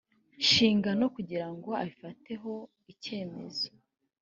nshingano kugira ngo abifateho icyemezo